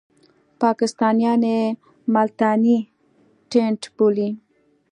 پاکستانیان یې ملتانی ټېنټ بولي.